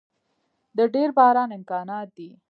د ډیر باران امکانات دی